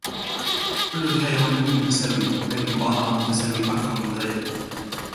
كل الحيوانات متساوية ، لكن بعضها متساوٍ أكثر من غيرها.